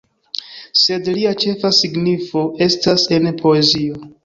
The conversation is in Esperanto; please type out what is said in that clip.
Sed lia ĉefa signifo estas en poezio.